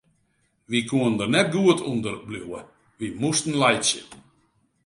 Wy koene der net goed ûnder bliuwe, wy moasten laitsje.